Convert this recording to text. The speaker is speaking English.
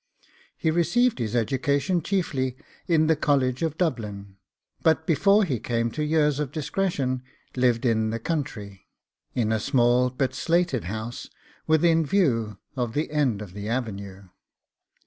He received his education chiefly in the college of Dublin, but before he came to years of discretion lived in the country, in a small but slated house within view of the end of the avenue.